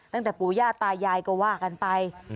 ตั้งแต่ปู่ย่าตายายก็ว่ากันไป